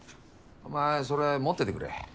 お前それ持っててくれ。